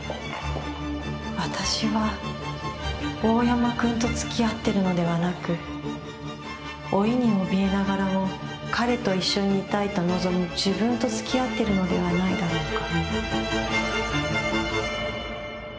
「私は大山くんと付き合っているのではなく、老いに怯えながらも彼と一緒にいたいと望む自分と付き合っているのではないだろうか」。